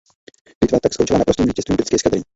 Bitva tak skončila naprostým vítězstvím britské eskadry.